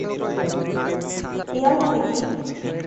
ইয়াল মানে কি?